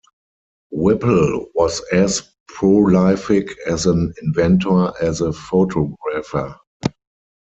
Whipple was as prolific as an inventor as a photographer.